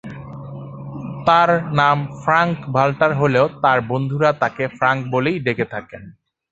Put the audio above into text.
তাঁর নাম ফ্রাঙ্ক-ভাল্টার হলেও তাঁর বন্ধুরা তাঁকে ফ্রাঙ্ক বলেই ডেকে থাকেন।